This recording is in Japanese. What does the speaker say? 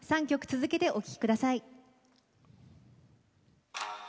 ３曲続けてお聴きください。